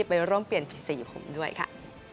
ไปร่วมเปลี่ยนสีผมด้วยค่ะ